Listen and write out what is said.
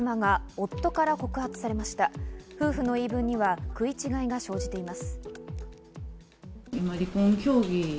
夫婦の言い分には食い違いが生じています。